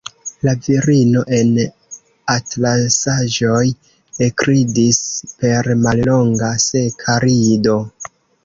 La virino en atlasaĵoj ekridis per mallonga, seka rido.